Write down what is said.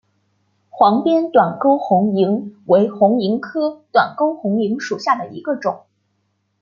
黄边短沟红萤为红萤科短沟红萤属下的一个种。